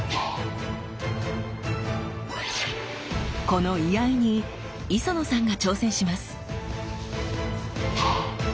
この居合に磯野さんが挑戦します！